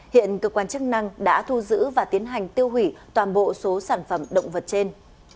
hiện cơ quan chức năng đã thu giữ và tiến hành tiêu hủy toàn bộ số sản phẩm động vật trên